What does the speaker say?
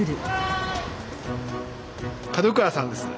門倉さんです。